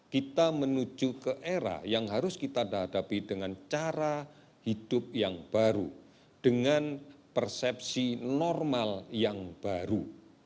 kita menuju ke era yang harus kita hadapi dengan cara hidup yang baru dengan persepsi normal yang baru